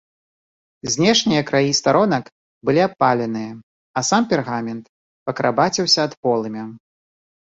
Знешнія краі старонак былі абпаленыя, а сам пергамент пакарабаціўся ад полымя.